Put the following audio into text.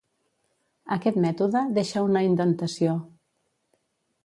Aquest mètode deixa una indentació.